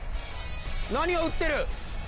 何を打ってる？